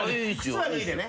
靴は脱いでね。